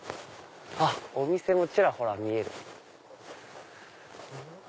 お店もちらほら見える。